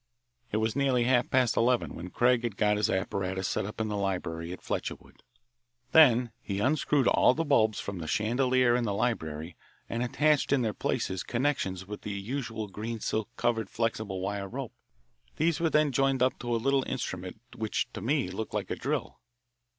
It was nearly half past eleven when Craig had got his apparatus set up in the library at Fletcherwood. Then he unscrewed all the bulbs from the chandelier in the library and attached in their places connections with the usual green silk covered flexible wire rope. These were then joined up to a little instrument which to me looked like a drill.